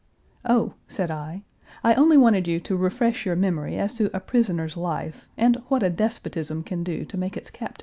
"Oh," said I, "I only wanted you to refresh your memory as to a prisoner's life and what a despotism can do to make its captives happy!"